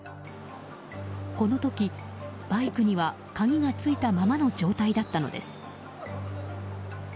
この時、バイクには鍵がついたままの状態だったのです。